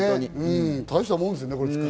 大したもんですよね。